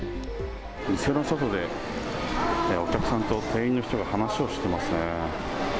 店の外で、お客さんと店員の人が話をしていますね。